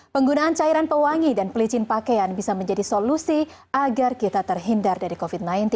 penggunaan cairan pewangi dan pelicin pakaian bisa menjadi solusi agar kita terhindar dari covid sembilan belas